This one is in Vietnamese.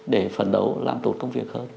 để phần đầu làm tốt công việc hơn